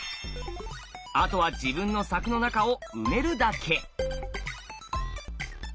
あとは自分の柵の中を埋めるだけ。